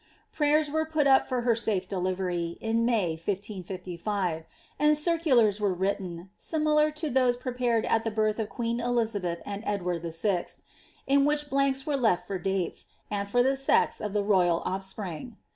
Prayers were put up for her safe delivery, in May, 1 555 ; and circulars were writtea — similar to those prepared at the birth of queen Elizabeth and Edward VI. — in which blanks were lefl for dates, and for the sex of the rovii offspring.